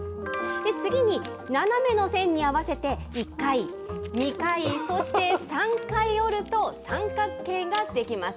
次に、斜めの線に合わせて１回、２回、そして３回折ると、三角形が出来ます。